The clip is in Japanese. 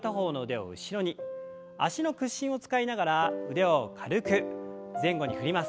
脚の屈伸を使いながら腕を軽く前後に振ります。